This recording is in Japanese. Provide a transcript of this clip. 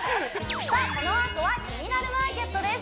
さあこのあとは「キニナルマーケット」です